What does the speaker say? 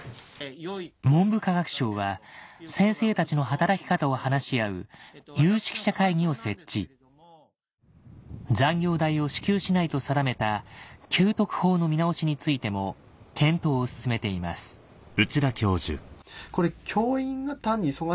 文部科学省は先生たちの働き方を話し合う有識者会議を設置残業代を支給しないと定めた給特法の見直しについても検討を進めています実は。